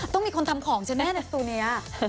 ต้องมีคนทำของใช่ไหมในตัวนี้